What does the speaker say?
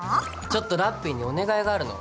ちょっとラッピィにお願いがあるの。